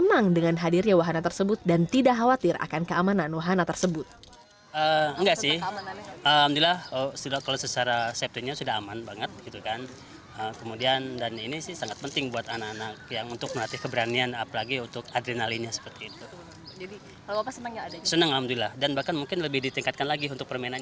aku senang dengan hadirnya wahana tersebut dan tidak khawatir akan keamanan wahana tersebut